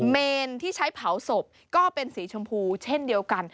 เมนที่ใช้เผาศพก็เป็นสีชมพูเช่นเดียวกัน